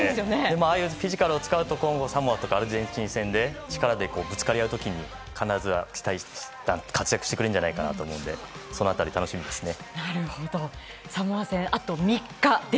ああいうフィジカルを使うとサモア、アルゼンチン戦で力でぶつかり合う時に必ず活躍してくれると思うのでその辺り楽しみですね。